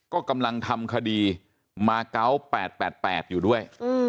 ก็กำลังทำคดีมาเกาะ๘๘อยู่ด้วย